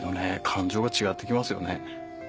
感情が違って来ますよね。